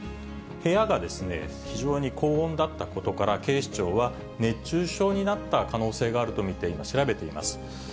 部屋が非常に高温だったことから、警視庁は熱中症になった可能性があると見て、今、調べています。